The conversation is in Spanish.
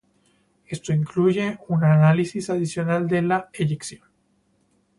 Esto incluye un análisis adicional de la “eyección”